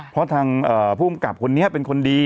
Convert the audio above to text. เพราะทางภูมิกับคนนี้เป็นคนดี